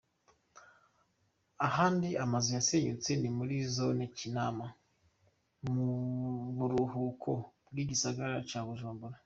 Ahandi amazu yasenyutse ni muri zone Kinama mu buraruko bw'igisagara ca Bujumbura.